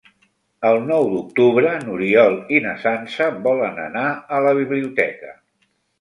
El nou d'octubre n'Oriol i na Sança volen anar a la biblioteca.